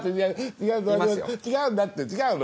違う違うんだって違うの！